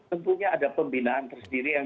tentunya ada pembinaan tersendiri yang